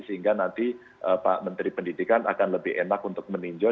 sehingga nanti pak menteri pendidikan akan lebih enak untuk meninjau